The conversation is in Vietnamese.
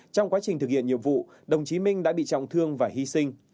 trong quá trình thực hiện nhiệm vụ đồng chí minh đã bị trọng thương và hy sinh